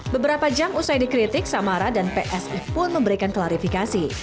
beberapa jam usai dikritik samara dan psi pun memberikan klarifikasi